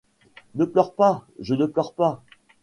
Ne pleure pas, je ne pleure pas.